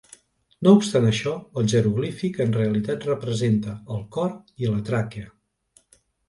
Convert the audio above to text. No obstant això, el jeroglífic en realitat representa el cor i la tràquea.